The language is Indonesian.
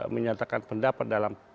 menyatakan pendapat dalam